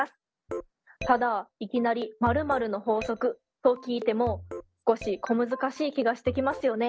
ただいきなり○○の法則と聞いても少し小難しい気がしてきますよね。